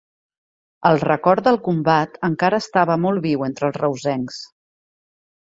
El record del Combat encara estava molt viu entre els reusencs.